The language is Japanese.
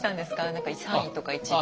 何か３位とか１位とか。